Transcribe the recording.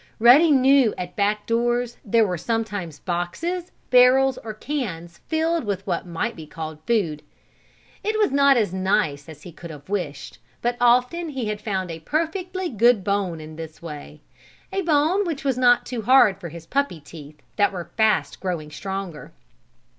Ruddy knew at back doors there were sometimes boxes, barrels or cans filled with what might be called food. It was not as nice as he could have wished, but often he had found a perfectly good bone in this way a bone which was not too hard for his puppy teeth that were fast growing stronger.